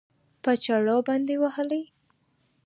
په چاړو باندې وهلى؟